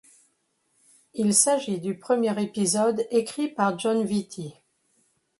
Il s'agit du premier épisode écrit par Jon Vitti.